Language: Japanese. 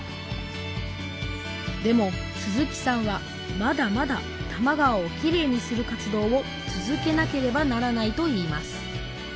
でも鈴木さんはまだまだ多摩川をきれいにする活動を続けなければならないと言います